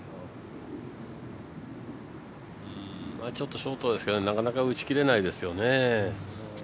ショートです、なかなか打ち切れないですよね。